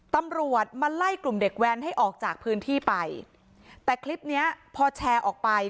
ตำรวจมาไล่กลุ่มเด็กแว้นให้ออกจากพื้นที่ไปแต่คลิปเนี้ยพอแชร์ออกไป